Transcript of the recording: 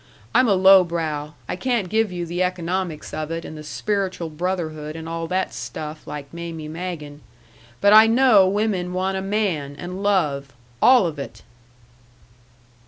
I'm a low brow; I can't give you the economics of it and the spiritual brotherhood and all that stuff, like Mamie Magen. But I know women want a man and love all of it."